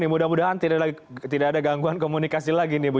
mudah mudahan tidak ada gangguan komunikasi lagi nih bu